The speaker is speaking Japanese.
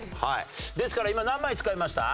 ですから今何枚使いました？